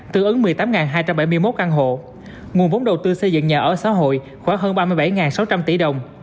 tự ứng một mươi tám hai trăm bảy mươi một căn hộ nguồn vốn đầu tư xây dựng nhà ở xã hội khoảng hơn ba mươi bảy sáu trăm linh tỷ đồng